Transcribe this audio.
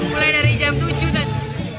mulai dari jam tujuh tadi